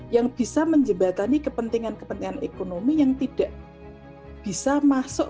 yang bisa menjembatani kepentingan kepentingan ekonomi yang tidak bisa masuk